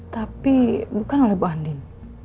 tapi bukan oleh bu andin